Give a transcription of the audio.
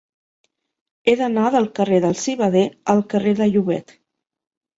He d'anar del carrer del Civader al carrer de Llobet.